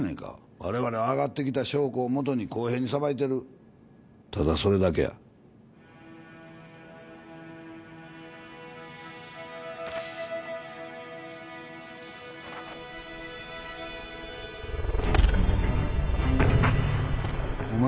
我々は上がってきた証拠をもとに公平に裁いてるただそれだけやお前